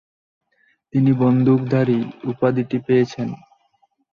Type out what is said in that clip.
তিনি ‘বান্দুকদারী’ উপাধিটি পেয়েছেন।